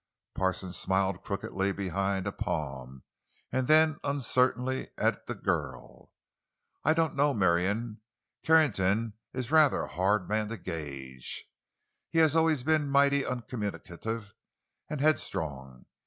Parsons smiled crookedly behind a palm, and then uncertainly at the girl. "I don't know, Marion. Carrington is a rather hard man to gauge. He has always been mighty uncommunicative and headstrong.